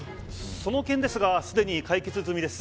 その件ですがすでに解決済みです。